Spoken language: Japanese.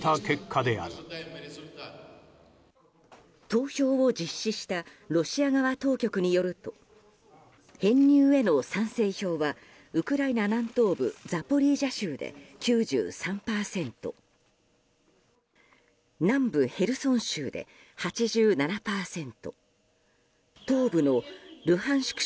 投票を実施したロシア側当局によると編入への賛成票はウクライナ南東部ザポリージャ州で９３％南部ヘルソン州で８７％東部のルハンシク